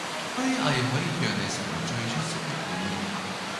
虛偽可以讓你成為最出色的演員